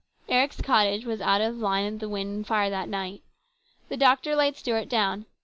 Eric's cottage was out of the line of the wind and fire that night. The doctor laid Stuart down.